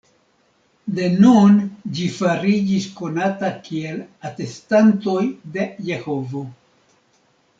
De nun ĝi fariĝis konata kiel "Atestantoj de Jehovo".